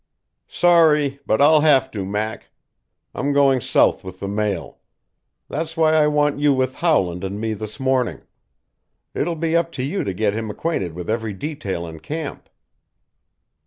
"Sorry, but I'll have to, Mac. I'm going south with the mail. That's why I want you with Howland and me this morning. It will be up to you to get him acquainted with every detail in camp."